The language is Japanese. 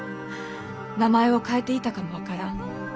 名前を変えていたかも分からん。